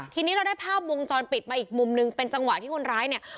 ทีนี้เราได้ภาพวงจรปิดมาอีกมุมนึงเป็นจังหวะที่คนร้ายเนี่ย